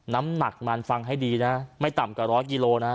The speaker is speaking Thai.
น้ำหนักมันฟังให้ดีนะไม่ต่ำกว่าร้อยกิโลนะ